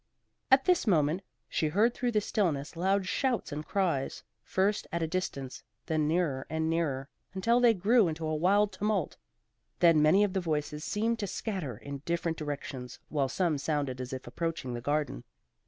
At this moment, she heard through the stillness loud shouts and cries, first at a distance, then nearer and nearer, until they grew into a wild tumult. Then many of the voices seemed to scatter in different directions while some sounded as if approaching the garden.